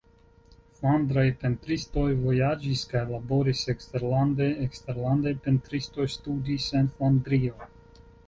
Flandraj pentristoj vojaĝis kaj laboris eksterlande; eksterlandaj pentristoj studis en Flandrio.